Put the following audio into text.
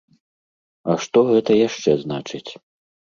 А што гэта яшчэ значыць?